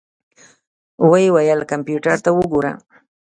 ويې ويل کمپيوټر ته وګوره.